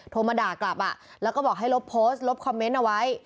โทรมาด่ากลับแล้วก็บอกให้ลบโพสต์ลบคอมเมนต์เอาไว้